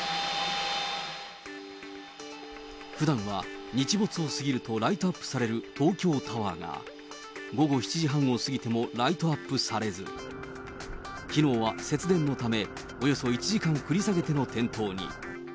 ふだんは日没を過ぎるとライトアップされる東京タワーが、午後７時半を過ぎてもライトアップされず、きのうは節電のため、およそ１時間繰り下げての点灯に。